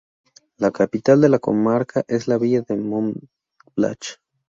La capital de la comarca es la villa de Montblanch.